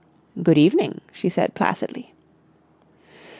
"Good evening," she said placidly.